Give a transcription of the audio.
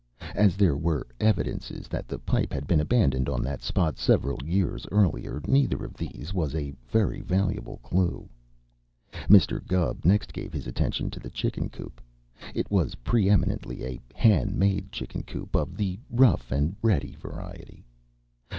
As there were evidences that the pipe had been abandoned on that spot several years earlier, neither of these was a very valuable clue. Mr. Gubb next gave his attention to the chicken coop. It was preëminently a hand made chicken coop of the rough and ready variety.